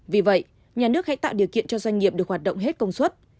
vì vậy nhà nước hãy tạo điều kiện cho doanh nghiệp được hoạt động hết công suất